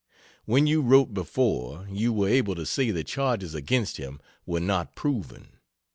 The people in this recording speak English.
When you wrote before, you were able to say the charges against him were not proven.